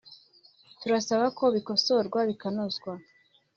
turasaba ko bikosorwa bikanozwa